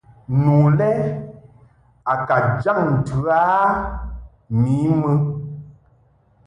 Nu le a ka jaŋ ntɨ a mi mɨ.